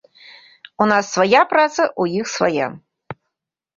У нас свая праца, у іх свая.